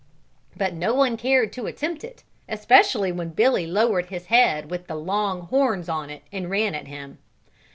But no one cared to attempt it, especially when Billy lowered his head with the long horns on it and ran at him.